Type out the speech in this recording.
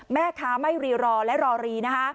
แม่คะไม่รีรอและรอรี